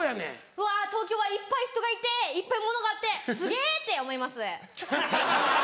うわ東京はいっぱい人がいていっぱい物があってすげぇ！って思います。